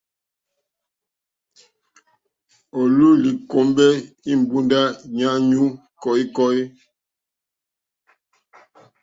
O lɔ̀u li kombɛ imbunda ja anyu kɔ̀ikɔ̀i.